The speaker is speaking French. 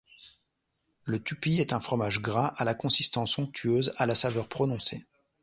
Le tupí est un fromage gras, à la consistance onctueuse, à la saveur prononcée.